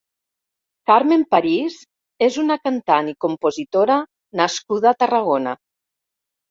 Carmen París és una cantant i compositora nascuda a Tarragona.